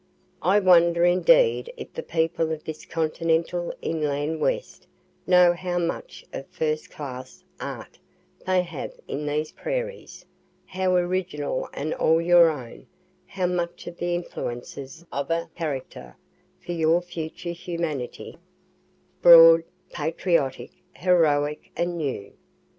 "I wonder indeed if the people of this continental inland West know how much of first class art they have in these prairies how original and all your own how much of the influences of a character for your future humanity, broad, patriotic, heroic and new?